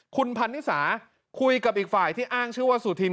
คุณพันนิสาคุยกับอีกฝ่ายที่อ้างชื่อว่าสุธิน